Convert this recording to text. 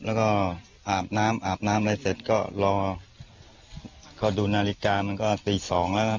แล้วก็อาบน้ำอาบน้ำอะไรเสร็จก็รอเขาดูนาฬิกามันก็ตีสองแล้วนะครับ